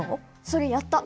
それやった。